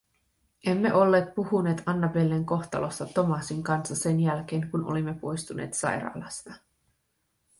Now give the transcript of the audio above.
Emme olleet puhuneet Annabellen kohtalosta Thomasin kanssa sen jälkeen, kun olimme poistuneet sairaalasta.